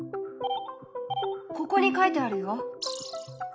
ここに書いてあるよ。